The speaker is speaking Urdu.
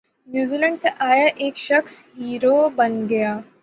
نیوزی لینڈ سے آیا ایک شخص ہیرو بن گیا